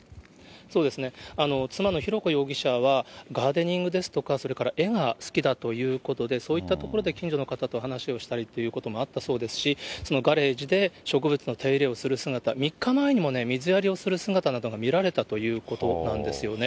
妻の浩子容疑者は、ガーデニングですとか、それから絵が好きだということで、そういったところで近所の方と話をしたりということもあったそうですし、そのガレージで植物の手入れをする姿、３日前にも水やりをする姿などが見られたということなんですよね。